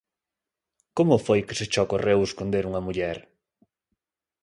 ¿Como foi que se che ocorreu esconder unha muller?